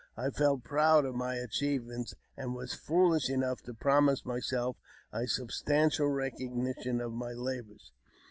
I felt proud of my achieve ment, and was foolish enough to promise myself a substantial recognition of my labours.